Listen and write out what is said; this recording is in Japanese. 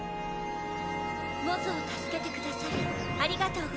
モゾを助けてくださりありがとうございます。